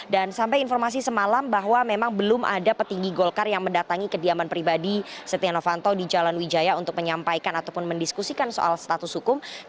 dan sampai informasi semalam bahwa memang belum ada petinggi golkar yang mendatangi kediaman pribadi setia novanto di jalan wijaya untuk menyampaikan ataupun mendiskusikan soal status hukumnya